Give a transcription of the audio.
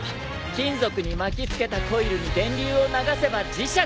金属に巻き付けたコイルに電流を流せば磁石。